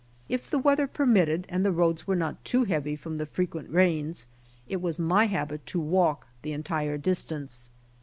If the weather permitted and the roads were not too hea, vy from the frequent rains, it was my habit to walk the entire distance.